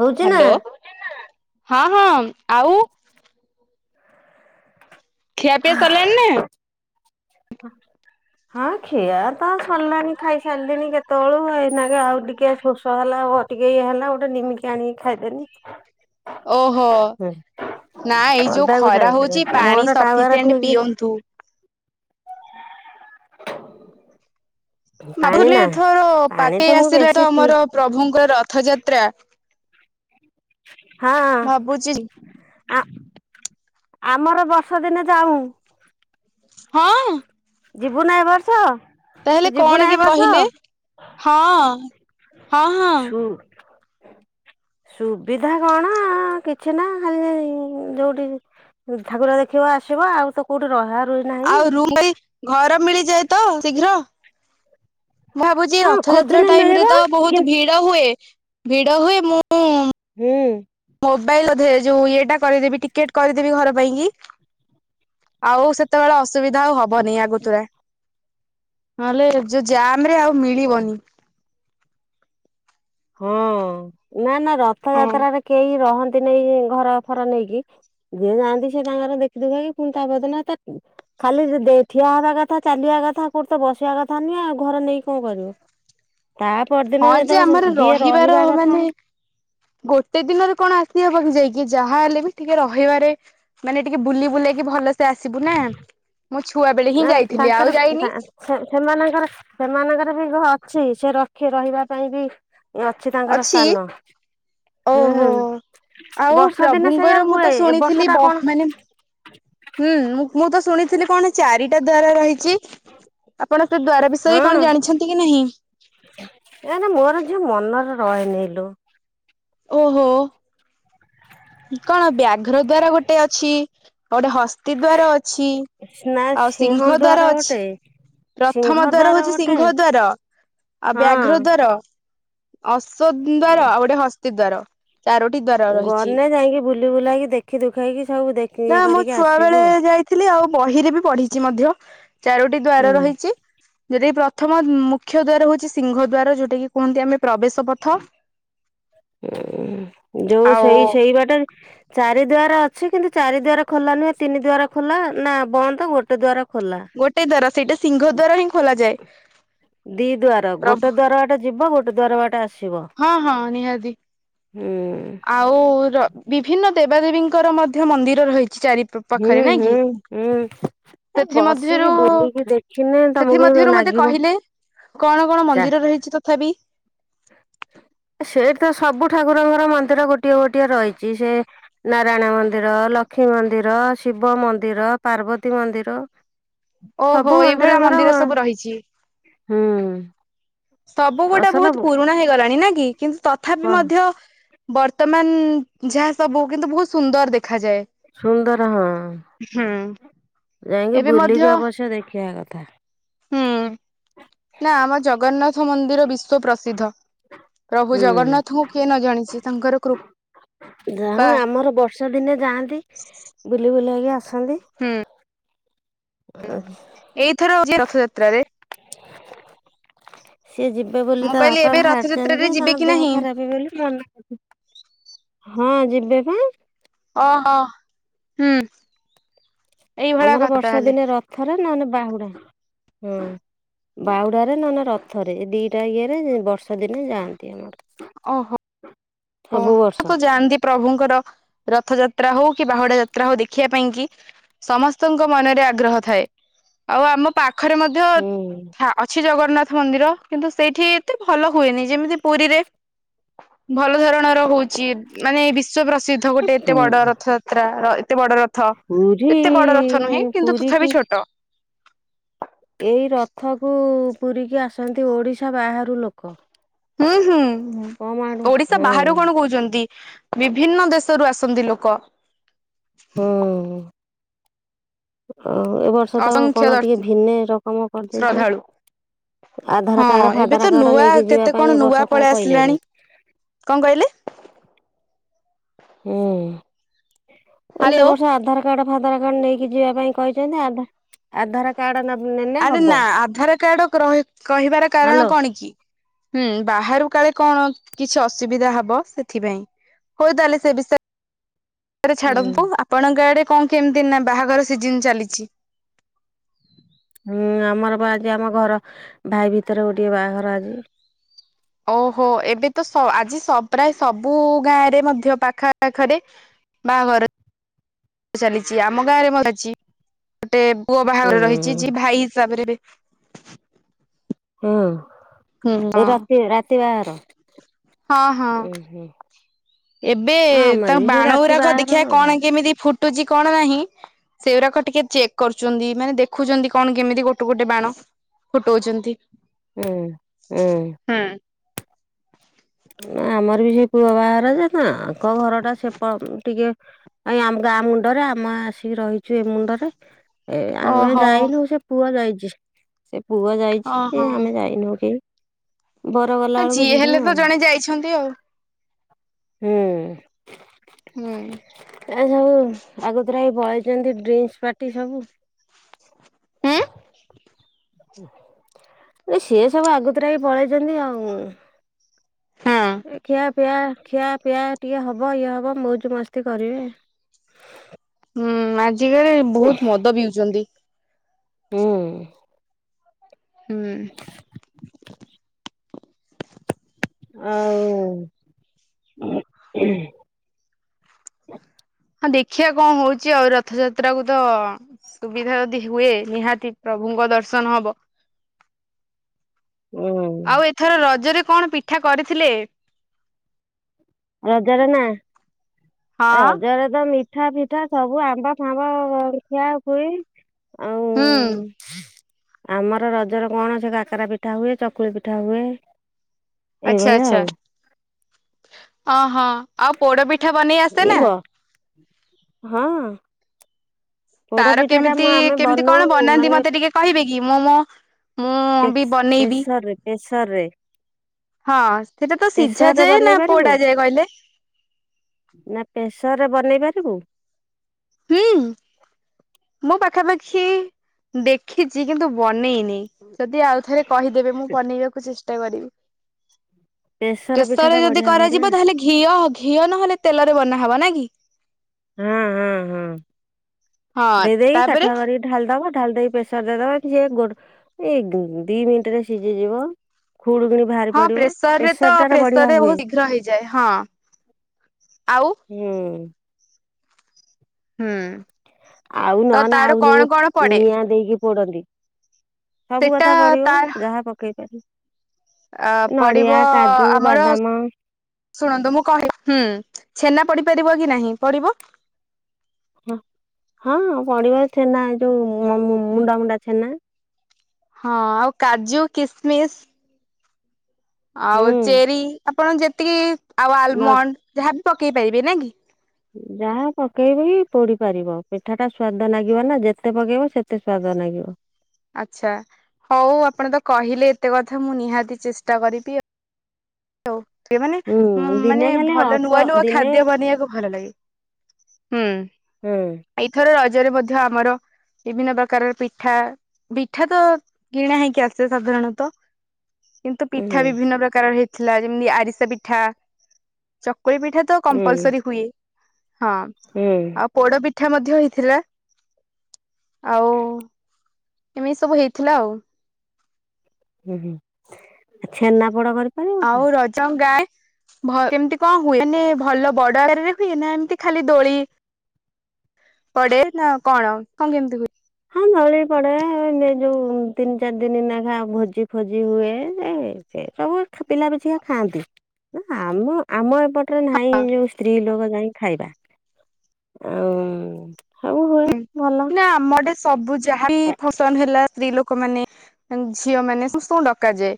ହଉଛି ନା? ହାଲୋ ହଁ। ହଁ ଆଉ। ଖିଆ ପିଆ ସାରିଲାନି ନା। ହଁ। ହଁ ଖିଆ ତ ସରିଲାଣି ଖାଇସାରିଲିଣି କେତେବେଳ ଏଇନା ଆଉ ଟିକେ ଶୋଷ ହେଲା। ଓ ଟିକେ ଇଏ ହେଲା ଗୋଟେ ନିମିକି ଆଣିକି ଖାଇଦେନି। ଓହୋ। ହୁଁ ନା ଏଇ ଯୋଉ ପଦାକୁ ଖରା ଯାଉଛି ହୋଉଛି ପାଣି ମୋର ଟାୱାର ସଫିସିଏଣ୍ଟ ଠିକ ପିଅନ୍ତୁ। ପାଣି ଭାବୁଥିଲି ନା ଏଥର ପାଣି ପାଖେଇ ତ ମୁଁ ଆସିଲା ବେଶୀ ତ ପି ଆମର ପ୍ରଭୁଙ୍କର ରଥଯାତ୍ରା। ହଁ ଭାବୁଛି ଆ। ଆମର ବର୍ଷ ଦିନେ ଯାଉ। ହଁ। ଯିବୁ ନାହିଁ ଏ ବର୍ଷ। ତୁ ତାହେଲେ ଯିବୁ ନା କଣ ଏ କେମିତି ବର୍ଷ? କହିଲେ ହଁ ହଁ ହଁ। ସୁ ସୁବିଧା କଣ କିଛି ନା ଖାଲି ଯୋଉଠି ଠାକୁର ଦେଖିବ। ଆସିବ ଆଉ ତ କଉଠି ରହା। ରୁହି ନାହିଁ। ଆଉ ରୁମ ପାଇଁ ଘର ମିଳିଯାଏ ତ ଶୀଘ୍ର। ଭାବୁଛି ହଁ ରଥଯାତ୍ରା ଖୋଜିଲେ ଟାଇମ ରେ ମିଳିବ ତ କି ବହୁତ ଭିଡ ହୁଏ ଭିଡ ହୁଏ ମୁଁ। ହୁଁ। ମୋବାଇଲ ବଧେ ଯୋଉ ଇଏଟା କରିଦେବି ଟିକେଟ କରିଦେବି ଘର ପାଇଁ କି। ଆଉ ସେତେବେଳେ ଅ ସୁବିଧା ହବନି ଆଗତୁରା ନହେଲେ ଯଉ ଯା। ମରେ ଆଉ ଓ ମିଳିବନି। ହଁ ନା ନା ହଁ। ରଥଯାତ୍ରାରେ କେହି ରହ ନ୍ତିନି ଘର ଫର ନେଇକି ଯିଏ ଯାଆନ୍ତି ସେ ତାଙ୍କର ଦେଖିଦୁଖା କି ପୁଣି ତା ପର ଦିନ ତ। ଖାଲି ଦେ ଠିଆ ହେବା କଥା ଚାଲିବା କଥା କଉଠି ତ ବସିବା କଥା ନୁହେଁ ଆଉ ଘରେ ନେଇକି କଣ କରିବ। ତା ପରଦିନ ହଁ ଯେ ଯେତେବେଳେ ସେ ଆମର ରହିବାର ମାନେ ଗୋଟେ ଦିନରେ କଣ ଆସିବା ହବ କି ଯାଇ କି ଯାହା ହେଲେ ବି ଟିକେ ରହିବାରେ ମାନେ ଟିକେ ବୁଲି ବୁଲାଇକି ଭଲସେ ଆସିବୁ ନା। ମୁଁ ଛୁଆ ବେଳେ ହିଁ ନା ଯାଇଥିଲି ଆଉ ତାଙ୍କର ଯାଇନି। ତା ସେ-ସେମାନଙ୍କର ସେମାନଙ୍କର ବି ଘ ଅଛି ସେ ରଖି ରହିବା ପାଇଁ ବି ଅଛି ତାଙ୍କର ସ୍ଥାନ। ଓହୋ ଆଉ ହୁଁ ବର୍ଷ ଦିନେ ପ୍ରଭୁଙ୍କର ସେଇଆ ମୁଁ ତ ହୁଏ ଏ ବର୍ଷ ଶୁଣିଥିଲି ବ ଟା କଣ। ମାନେ ହୁଁ ମୁଁ ମୁଁ ତ ଶୁଣିଥିଲି କଣ ଚାରିଟା ଦ୍ଵାର ରହିଛି। ଆପଣ ସେ ଦ୍ୱାର ହଁ ବିଷୟରେ କଣ ଜାଣିଛନ୍ତି କି ନାହିଁ। ଏ ରେ ମୋର ଝିଅ ମନରେ ରହେନି ଲୋ। ଓହୋ କଣ ବ୍ୟାଘ୍ର ଦ୍ଵାର ଗୋଟେ ଅଛି। ଗୋଟେ ହସ୍ତି ଦ୍ୱାର ଅଛି ନା ଆଉ ସିଂଘ ସିଂହ ଦ୍ୱାର ଗୋଟେ ଅଛି। ସିଂହ ପ୍ରଥମ ଦ୍ୱାର ହଉଛି ଗୋଟେ ସିଂଘ ଦ୍ୱାର ଆଉ ବ୍ୟାଘ୍ର ହଁ ଦ୍ୱାର। ଅଶ୍ୱ ଦ୍ୱାର ଆଉ ଗୋଟେ ହସ୍ତି ଦ୍ୱାର ଚାରୋଟି ଦ୍ଵାର ରହିଛି। ଗନେ ଯାଇକି ବୁଲି ବୁଲାକି ଦେଖି ଦୁଖାକି ସବୁ ଦେଖି ନା ଇଏ ମୁଁ କରିକି ଛୁଆ ଆସିବୁ ବେଳେ ଆଉ। ଯାଇଥିଲି ଆଉ ବହିରେ ବି ପଢିି ଚି ମଧ୍ୟ ଚାରୋଟି ଦ୍ଵାର ହୁଁ ରହିଛି। ଯଉଟା କି ପ୍ରଥମ ମୁଖ୍ୟ ଦ୍ଵାର ହଉଛି ସିଂଘ ଦ୍ୱାର ଯୋଉଟା କି କୁହନ୍ତି ଆମେ। ପ୍ରବେଶ ପଥ ଉଁ ଯୋଉ ଆଉ ସେଇ ସେଇ ବାଟରେ ଚାରି ଦ୍ୱାର ଅଛି କିନ୍ତୁ ଚାରି ଦ୍ୱାର ଖୋଲା ନୁହେଁ ତିନି ଦ୍ୱାର ଖୋଲା ନା ବନ୍ଦ ଗୋଟେ ଦ୍ୱାର। ଗୋଟେ ଦ୍ଵାର ସେଇଟା ସିଂଘ ଦ୍ୱାର ହିଁ ଖୋଲ ଯାଏ। ଦି ଦ୍ୱାର ଗୋଟେ ଦ୍ୱାର ବାଟେ ଯିବ ଗୋଟେ ଦ୍ୱାର ବାଟେ ଆସ ହଁ ହଁ ନିହାତି ହୁଁ ଆଉ ର ବିଭିନ୍ନ। ଦେବା ଦେବୀଙ୍କର ମଧ୍ୟ ମନ୍ଦିର ରହି ଚ-ଚାରି ପ-ପାଖରେ ହୁଁ ନାଇଁ କି ହୁଁ ହୁଁ ଏ ସେଥି ମଧ୍ୟ ବସିକି ରୁ ବୁଲିକି ଦେଖିନେ ସେଥି ମ ତମକୁ ଧ୍ୟରୁ ମତେ ନାଗିବ କହିଲେ କଣ କଣ ଚା ମନ୍ଦିର ରହିଛି ତଥାପି। ସେଇଠି ତ ସବୁ ଠାକୁରଙ୍କର ମନ୍ଦିର ଗୋଟିଏ ଗୋଟିଏ ରହିଛି ସେ ନାରାୟଣ ମନ୍ଦିର ଲ ଲକ୍ଷ୍ମୀ ମନ୍ଦିର ଶିବ ମନ୍ଦିର ପାର୍ବତୀ ମନ୍ଦିର। ଓହୋ ସବୁ ଏଇଭଳିଆ ମନ୍ଦିରଙ୍କର ମନ୍ଦିର ହୁଁ। ସବୁ ରହିଛି। ସବୁ ଗୋଟା ଅସଲ ବହୁତ ପୁରୁଣା ହେଇଗଲାଣି ନା କି କିନ୍ତୁ ତଥାପି ମଧ୍ୟ। ବର୍ତ୍ତମାନ ଯାହା ସବୁ କିନ୍ତୁ ବହୁତ ସୁନ୍ଦର ଦେଖ ସୁନ୍ଦର ହଁ। ହୁଁ ଯାଇକି ଏବେ ମଧ୍ୟ ବୁଲିକି ଅବଶ୍ୟ ଦେଖିବା କଥା। ହୁଁ ନା ଆମ ଜଗନ୍ନାଥ ମନ୍ଦିର ବିଶ୍ୱ ପ୍ରସିଦ୍ଧ। ପ୍ରଭୁ ହୁଁ ଜଗନ୍ନାଥଙ୍କୁ କିଏ ନ ଜାଣିଛି ତାଙ୍କର କୃ ଯାହା ଆମର ବର୍ଷା ଦିନେ ଯାଆନ୍ତି ବୁଲି ବୁଲାକି ଆ ସନ୍ତି। ହୁଁ ଏଇଥର ଯେ [unintelligible] ରଥଯାତ୍ରାରେ ସିଏ ଯିବେ ବୋଲି ମୁଁ ତା କହିଲି ବାପା ଏବେ ବାହାରିଛନ୍ତି ରଥଯାତ୍ରାରେ ଯେ ଯିବେ ତାଙ୍କ କି ଦେହ ନାହିଁ? ଖରାପ ବୋଲି ମନା ହଁ ଯିବେ ଵା ଓ ହୋ, ହୁଁ। ଏଇଭଳିଆ ଆମର କଥା ବର୍ଷା ତାହେଲେ ଦିନେ ରଥରେ ନହେଲେ ବାହୁଡା ହୁଁ ବାଉଡାରେ ନା ନା ରଥରେ ଦିଟା ଇଏରେ ବର୍ଷା ଦିନେ ଯାଆନ୍ତି ଆମର ଓହୋ ଓ ସବୁ ବର୍ଷ ମୁଁ ତ ଜାଣନ୍ତି ପ୍ରଭୁଙ୍କର ରଥ ଯାତ୍ରା ହଉ କି ବାହୁଡା ଯାତ୍ରା ହଉ ଦେଖିବା ପାଇଁ କି ସମସ୍ତଙ୍କ ମନରେ ଆଗ୍ରହ ଥାଏ। ଆଉ ଆମ ପାଖରେ ମଧ୍ୟ ହୁଁ। ଅଛି ଜଗନ୍ନାଥ ମନ୍ଦିର କିନ୍ତୁ ସେଇଠି ଏତେ ଭଲ ହୁଏନି ଯେମିତି ପୁରୀରେ ଭଲ ଧରଣର ହଉଛି ମାନେ ବିଶ୍ଵ ପ୍ରସିଦ୍ଧ ଗୋଟେ ଏତେ ବଡ ରଥ ଯାତ୍ରା ଏତେ ବଡ ରଥ ପୁରୀ ଏତେ ବଡ ରଥ ନୁହେଁ। କିନ୍ତୁ ପୁରୀ କି ତଥାପି ଛୋଟ। ଏଇ ରଥକୁ ପୁରିକି ଆସନ୍ତି ଓଡିଶା ବାହାରୁ ଲୋକ। ହୁଁ, ହୁଁ କମ ଆଡୁ ଓଡିଶା ହଁ ବାହାରୁ କଣ କହୁଛନ୍ତି? ବିଭିନ୍ନ ଦେଶରୁ ଆସନ୍ତି ଲୋକ। ହୁଁ। ଆଉ ଏ ବର୍ଷ ତ ଅସଂଖ୍ୟ କଣ ଦର୍ଶ ଟିକେ ଭିନ୍ନେ ରକମ କରିଦେଇଛି। ଶ୍ରଦ୍ଧାଳୁ। ଆଧାର ହଁ କାର୍ଡ ଏବେ ତ ଫାଦର କାର୍ଡ ନୂଆ ନେଇକି ଯିବା କେତେ କଣ ପାଇଁ ଏ ନୂଆ ବର୍ଷ ପଳେଇ କଣ ଆସିଲାଣି କହିଲେନି। କଣ କହିଲେ? ହୁଁ, ଏବ ହ୍ୟାଲୋ। ବର୍ଷ ଆଧାର କାର୍ଡ ଆଧାର କାର୍ଡ ନେଇକି ଯିବା ପାଇଁ କହିଛନ୍ତି ଆଧାର କାର୍ଡ ନେଲେ ଆରେ ହବ ନା ଆଧାର କାର୍ଡ କହିବାର କାରଣ ହ୍ୟାଲୋ କଣ କି? ହୁଁ, ବାହାରୁ କାଳେ କଣ କିଛି ଅସୁବିଧା ହବ ସେଥିପାଇଁ। ହଉ ତାହେଲେ ସେ ବିଷୟରେରେ ହୁଁ। ଛାଡବୁ ଆପଣଙ୍କ ଆଡେ କଣ କେମିତି ନା ବାହାଘର ସିଜନ ଚାଲିଛି? ହୁଁ, ଆମର ବା ଆଜି ଆମ ଘର ଭାଇ ଭିତରେ ଗୋଟିେ ବାହାଘର ଆଜି। ଓହୋ ଏବେତ ସ ଆଜି ସଵ୍ ପ୍ରାୟ ସବୁ ଗାଁ ରେ ମଧ୍ୟ ପାଖ ପାଖରେ ବାହାଘର ଚାଲିଛି ଆମ ଗାଁରେ ମ ଚାଲିଛି ଗୋଟେ ପୁଅ ବାହାଘର ରହିଛି। ହୁଁ ଯିଏ ଭାଇ ହିସାବରେ ହୁଁ, ହଁ ଏ ରାତି ରାତି ବାହାର ହଁ, ହଁ। ଏବେ ହଁ ଆମର ତାଙ୍କ ବି ସେ ବାଣ ରାତି ଗୁରାକ ବାହାଘର ଦେଖିବା ଆଉ। କଣ କେମିତି ଫୁଟ କଟୁଛି କଣ ନାହିଁ ସେଗୁଡ଼ାକ ଟିକେ ଚେକ୍ କରୁଛନ୍ତି ମାନେ ଦେଖୁଛନ୍ତି କଣ କେମିତି ଗୋଟେ ଗୋଟେ ବାଣ ଫୁଟଉଛନ୍ତି। ହୁଁ, ହୁଁ ସେ ପୁଅ ବାହାର ଯେ ତାଙ୍କ ଘର ଟା ସେ ଟିକେ ଗାଁ ମୁଣ୍ଡରେ ଆମ ଆସିକି ରହିଛୁ ଏ ମୁଣ୍ଡରେ ଏ ଆମେ ଓହୋ ଯାଇନଉ ସେ ପୁଅ ଯାଇଛି ସେ ପୁଅ ଓ ଯାଇଛି ହଁ ଆମେ ଯାଇନଉ କେହି। ବର ଗଲା ଆ ବେଳକୁ ଯିଏ ଯିବୁ ହେଲେ ତ ଆଉ ଜଣେ ଯାଇଛନ୍ତି। ଆଉ ହୁଁ, ହୁଁ। ଏ ସବୁ ଆଗଥରେ [unintelligible] ଯେମିତି ଡ୍ରିଙ୍କ ପାର୍ଟି ସବୁ ହୁଁ। ସିଏ ସବୁ ଆଗତର ପଳେଇଛନ୍ତି ଆଉ ହଁ ଖିଆ ପିଆ ଖିଆ ପିଆ ଟିକେ ହବ ଇଏ ହବ ମଉଜ ମସ୍ତି କରିବେ। ହୁଁ ଆଜିକାଲି ବହୁତ ମଦ ପିଉଛନ୍ତି। ହୁଁ। ହୁଁ। ଆଉ ହଁ ଦେଖିବା କଣ ହଉଛି ଆଉ ରଥଯାତ୍ରା କୁ ତ ସୁବିଧା ଯଦି ହୁଏ, ନିହାତି ପ୍ରଭୁଙ୍କ ଦର୍ଶନ ହବ। ହୁଁ ଆଉ ଏଥର ରଜରେ କଣ ପିଠା କରିଥିଲେ? ରଜରେ ନା ହଁ। ରଜର ତମି ପିଠା ଫିଠା ସବୁ ଆମ୍ବ ଫାମ୍ବ ଖିଆ ଖୁଇ ଆଉ ହୁଁ ଆମର ରଜର କଣ ଅଛି? କାକରା ପିଠା ହୁଏ, ଚକୁଳି ପିଠା ହୁଏ। ଆଛା ଏଇଭଳିଆ ଆଛା ଆଉ। ଅ ହଁ। ଆଉ ପୋଡ ପିଠା ବନେଇ ଆସେ ଏଇ ନା? ଗ ହଁ। ପୋଡ ତାର ପିଠା ଟା କେମିତି ମୁଁ ଆମେ କେମିତି ବନଉ କଣ ବନାନ୍ତି ମାନେ ମତେ ଟିକେ କହିବେ କି? ମୁଁ ମୋ ମୁଁ ବି ପେସ୍ ବନେଇବି। ପେସରେ ପେସରେ ହଁ, ସେଟା ତ ସିଝା ଯାଏ ନା ବନେଇ ପାରିବୁ ପୋଡା ଯାଏ କହିଲେ? ନା ପ୍ରେସରରେ ବନେଇ ପାରିବୁ! ହୁଁ ମୁଁ ପାଖାପାଖି ଦେଖିଛି, କିନ୍ତୁ ବନେଇନି। ଯଦି ଆଉଥରେ କହିଦେବେ, ମୁଁ ବନେଇବାକୁ ଚେଷ୍ଟା କରିବି। ପ୍ରେସର ପିଠା ପ୍ରେସରରେ ଟା ଯଦି ବଢିଆ ହୁଏ କରାଯିବ! ତାହେଲେ ଘିଅ ଘିଅ ନହେଲେ ତେଲରେ ବନାହବ ନା କି? ହଁ ହଁ ହଁ ହଁ ଦେଇଦେଇକି ତାପରେ କାଠୁଆ କରିକି ଢାଲ୍ ଦବ। ଢାଲଦେଇ ପ୍ରେସର ଦେଇଦବ। ଯିଏ ଗୋଟ୍ ଦି ମିନିଟ ରେ ସିଝିଯିବ। ଖୁଡ କିିଣି ବାହାରି ହଁ ପଡିବ। ପ୍ରେସରରେ ପେସର ତ ଟାରେ ବଢିଆ ପ୍ରେସରରେ ହୁଏ। ବହୁତ ଶୀଘ୍ର ହେଇଯାଏ ହଁ ଆଉ ହୁଁ! ହୁଁ, ଆଉ ତ ନହ ନେ ତାର ଆଉ କଣ ଯୋଉ, କଣ ପଡେ? ନିଆଁ ଦେଇକି ପୋଡନ୍ତି। ସବୁ ସେଟା କଥା ପଢିବ ତାର ଯାହା ପକେଇ ପାରି ଅ ପଡିବ ଆମର ବାଦାମ ଶୁଣନ୍ତୁ, ମୁଁ କହି ହୁଁ ଛେନା ପଡି ପାରିବ କି ନାହିଁ ପଡିବ? ହ ହଁ, ପଡିବ ଛେନା ଯୋଉ ମୁଣ୍ଡା ମୁୁଣ୍ଡା ଛେନା। ହଁ, ଆଉ କାଜୁ କିସ୍ ମିସ୍ ଆଉ ଚେରି ଆପଣ ଯେତିକି ଆଉ ହୁଁ ଆଲମଣ୍ଡ ଯାହାବି ପକେଇ ପାରିବେ ନା କି? ଯାହା ପକେଇବି କି ପୋଡି ପାରିବ ପିଠାଟା ସ୍ୱାଦ ଦ ନାଗିବ ନା ଯେତେ ପକେଇବ ସେତେ ସ୍ଵାଦ ନାଗିବ। ଆଛା, ହଉ ଆପଣ ତ କହିଲେ ଏତେ କଥା ମୁଁ ନିହାତି ଚେଷ୍ଟା କରିବି ଆଉ। ହଉ ଟେ ମାନେ ହୁଁ ମାନେ ଦିନେ ଖାଲି ଭଲ ନୂଆ ଅଳ୍ପ ନୂଆ ଦିନେ ଖାଦ୍ୟ ବନେଇବାକୁ ଭଲ ଲାଗେ। ହୁଁ ହୁଁ ଏଇଥର ରଜରେ ମଧ୍ୟ ଆମର ବିଭିନ୍ନ ପ୍ରକାରର ପିଠା। ପିଠା ତ କିଣା ହେଇକି ଆସେ ସାଧାରଣତଃ। କିନ୍ତୁ ପିଠା ହୁଁ ବିଭିନ୍ନ ପ୍ରକାରର ହେଇଥିଲା, ଯେମିତି ଆରିସା ପିଠା, ଚକ କକୁଳି ପିଠା ତ ହୁଁ କମ୍ପଲସରି ହୁଏ। ହଁ ହୁଁ ଆଉ ପୋଡ ପିଠା ମଧ୍ୟ ହେଇଥିଲା। ଆଉ ଏମିତି ସବୁ ହେଇଥିଲା ଆଉ। ହୁଁ ହୁଁ ଆ ଛେନା ପୋଡ଼ କରିିକି ଆଉ ରଜ ଗାଏ। ଭ ଏମତି କଣ ହୁଏ? ମାନେ ଭଲ ବଡରରେ ହୁଏ ନା ଏମିତି ଖାଲି ଦୋଳି ପଡେ, ନା କଣ କଣ କେମିତି ହୁଏ? ହଁ, ନଳି ପଡେ-ଏ ଯୋଉ ତିନି ଚାରି ଦିନନାଖା ଭୋଜି ଫୋଜି ହୁଏ-ଏ। ଏ ସେ ସବୁ ପିଲା ପିଛିିକା ଖାଆନ୍ତି ନା ଆମ ଆମ ଏପ୍ ପଟରେ ନାହିଁ ଯୋଉ ସ୍ତ୍ରୀ ଲୋକ ଯାଇ ଖାଇବା, ଆଉ ସବୁ ହୁଏ ଭଲ [inaudible] ନା ଆମ ଆଡେ ସବୁ ଯାହା ବି ଫଂକ୍ସନ ହେଲା ସ୍ତ୍ରୀ ଲୋକ ମାନେ ଝିଅ ମାନେ ସମସ୍ତଙ୍କୁ ଡକାଯାଏ।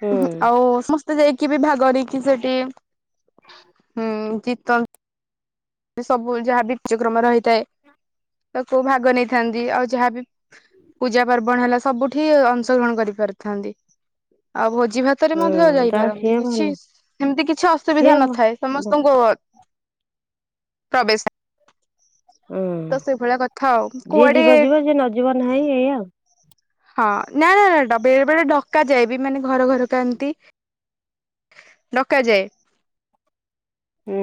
ହୁଁ ଉହୁଁ ଆଉ ସମସ୍ତେ ଯାଇକ୍ କିଏ ବି ଭାଗ ନେଇକି ସେଠି, ହୁଁ ଜିତନ୍ତ ସବୁ ଯାହା ବି ଆଯ୍ୟକ୍ରମ ରହିଥାଏ। ତ କୋଉ ଭାଗ ନେଇଥାନ୍ତି ଆଉ ଯାହାବି ପୂଜା ପାର୍ବଣ ହେଲା ସବୁଠି ଅଂଶଗ୍ରହଣ କରିପାରିଥାନ୍ତି, ଆଉ ଭୋଜ ଜି ଭାତରେ ହୁଁ ମଧ୍ୟ ଯାଉ ଯାଇପାରନ୍ତି ସିଏ ଭଲ କିଛି ସେମିତି କିଛି ସିଏ ଅସୁବିଧା ନଥାଏ ଭ ସମସ୍ତଙ୍କୁ ଅ ପ୍ରବେଶ। ହୁଁ ତ ସେଇଭଳିଆ କଥା ଆଉ, ଯିଏ କୁଆଡେ ଯିବ ଯିବ ଯିଏ ନ ଯିବ ନାହିଁ ଏଇଆ ଆଉ ହଁ ନା ନା ନା, ଡ ବେଳେବେଳେ ଡକା ଯାଏ, ବି ମାନେ ଘର ଘର ଥାନ୍ତି ଡକାଯାଏ। ହୁଁ।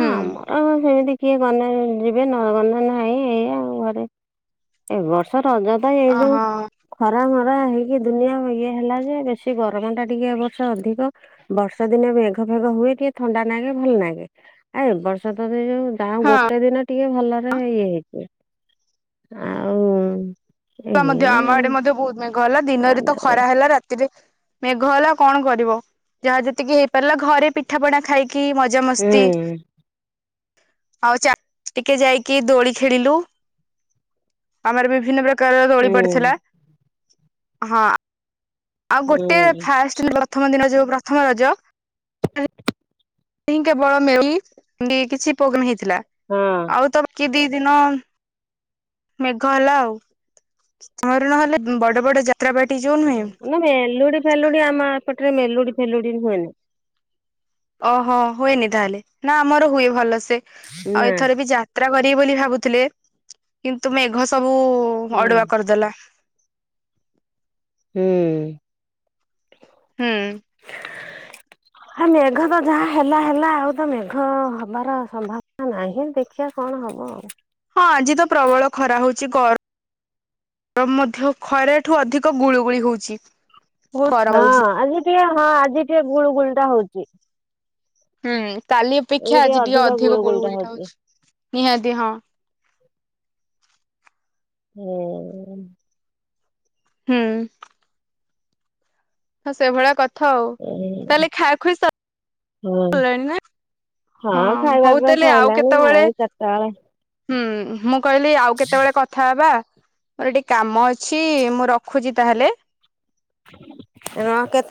ହୁଁ ଆମର ଆ ସେମିତି କିଏ ଗନେ ଯିବେ ନ ଗନେ ନାଁଇ ଏୟା ଆଉ ଘରେ ଏ ବର୍ଷ ରଜ ତ ଏଇ ଯୋଉ ଓହୋ ଖରା ପା ହେଇକି ଦୁନିଆ ଇଏ ହେଲା ଯେ ବେଶୀ ଗରମଟା ଟିକେ ଏବ ବର୍ଷ ଅଧିକ ବର୍ଷା ଦିନେ ମେଘ ମେଘ ହୁଏ ଟିକେ ଥଣ୍ଡା ନାଗେ ଭଲ ନାଗେ, ଆ ଏବର୍ଷ ତ ସେଯୋଉ ଯାହା ହଁ ଗୋଟେ ଦିନ ଟିକେ ଭଲରେ ଇଏ ହେଇଛି, ଆଉ [unintelligible] ମଧ୍ୟ ଏଇଆ ଆମ ଆଡେ ମଧ୍ୟ ବହୁତ ମେଘ ହେଲା ଦିନରେ ତ ଆଉ ଖରା ହେଲା ରାତିରେ ମେଘ ହେଲା କଣ କରିବ ଯାହା ଯେତିକି ହେଇପାରିଲା ଘରେ ପିଠା ପଣା ଖାଇ କି ମଜା ମସ୍ତି। ହୁଁ ଆଉ ଚା ଟିକେ ଯାଇକି ଦୋଳି ଖେଳିଲୁ। ଆମର ବିଭିନ୍ନ ପ୍ରକାରର ହୁଁ ଦୋଳି ପଡିଥିଲା ହଁ ଆଉ ଗୋଟେ ହୁଁ ଫାଷ୍ଟ [inaudible] ପ୍ରଥମ ଦିନ ଯୋଉ ପ୍ରଥମ ରଜ ସେ କେବଳ [unintelligible] କିଛି ପବନ ହେଇଥିଲା ହଁ। ଆଉ ତ ବାକି ଦି ଦିନ ମେଘ ହେଲା ଆଉ ତମ ଘରେ ନହେଲେ ବଡ ବଡ ଜା ନା ମେଲୁଡି ଫେଲୁଡି ଆମ ଏପଟରେ ମେଲୁଡି ଫେଲୁଡି ହୁଏନି। ଓହୋ ହୁଏନି ତାହେଲେ ନା ଆମର ହୁଏ ଭଲସେ ନା ଆଉ ଏଥର ବି ଯା ତ୍ରା କରିବି ବୋଲି ଭାବୁଥିଲେ କିନ୍ତୁ ମେଘ ସବୁ ହୁଁ ଅଡୁଆ କରିଦେଲା। ହୁଁ ହୁଁ। ଆ ମେଘ ତ ଯାହା ହେଲା ହେଲା ଆଉ ତ ମେଘ ହବାର ସମ୍ଭା ନାହିଁ ଦେଖିଆ କଣ ହବ ଆଉ। ହଁ ଆଜି ତ ପ୍ରବଳ ଖରା ହଉଛି କର୍ ମଧ୍ୟ ଖରାଠୁ ଅଧିକ ଗୁଳୁଗୁଳି ହଉଛି। ବହୁତ ଗରମ ହଁ ଲାଗୁଛି ଆଜି ଟିକେ ହଁ ଆଜି ଟିକେ ଗୁଳୁ ଗୁଳି ଟା ହଉଚି। ହୁଁ କାଲି ଅପେକ୍ଷା ଆଜି ଟିକେ ଅଧିକ ଗୁଳୁ ଗୁଳିଟା ହଉଛି ନିହାତି ହଁ। ହୁଁ। ହୁଁ। ହଁ ସେଭଳିଆ କଥା ଆଉ ହଁ ତାହେଲେ ଖାଖୁଇ ସ ଲେନେ ହଁ ଖାଇବା ହଉ ପିଇବା ଆଉ ସଇଲାଣି କେତବେଳେ ଆଉ ଚାରିଟା ବେଳେ ହୁଁ ମୁଁ କହିଲି ଆଉ କେତେବେଳେ କଥା ହବା। ମୋର ଟିକେ କାମ ଅଛି ମୁଁ ରଖୁଛି ତାହେଲେ। [unintelligible] କେତେ